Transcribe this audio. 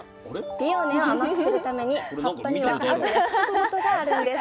ピオーネを甘くするために葉っぱにはある約束事があるんです。